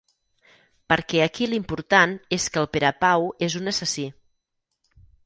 Perquè aquí l'important és que el Perepau és un assassí.